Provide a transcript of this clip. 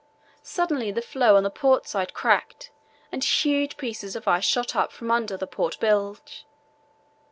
Suddenly the floe on the port side cracked and huge pieces of ice shot up from under the port bilge.